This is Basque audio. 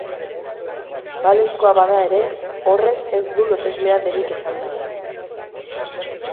Balezkoa bada ere, horrez ez du loteslea denik esan nahi.